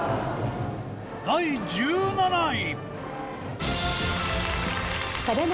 第１７位。